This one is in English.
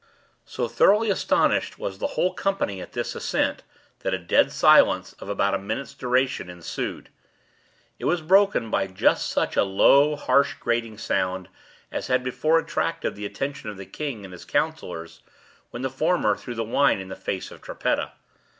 So thoroughly astonished was the whole company at this ascent, that a dead silence, of about a minute's duration, ensued. It was broken by just such a low, harsh, grating sound, as had before attracted the attention of the king and his councillors when the former threw the wine in the face of Trippetta.